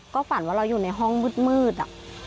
ก็ฝันว่าเราอยู่ในห้องมืด